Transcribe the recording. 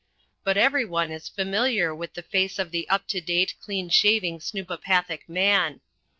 But every one is familiar with the face of the up to date clean shaven snoopopathic man.